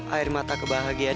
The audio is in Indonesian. air mata kebahagiaan